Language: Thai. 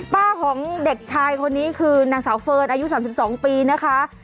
ของเด็กชายคนนี้คือนางสาวเฟิร์นอายุ๓๒ปีนะคะ